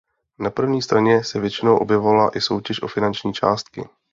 Na první straně se většinou objevovala i soutěž o finanční částky.